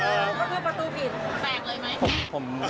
แปลกเลยไหม